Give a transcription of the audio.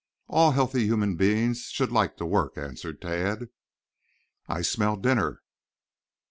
"All healthy human beings should like to work," answered Tad. "I smell dinner."